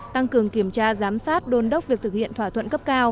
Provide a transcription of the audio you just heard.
tăng cường kiểm tra giám sát đôn đốc việc thực hiện thỏa thuận cấp cao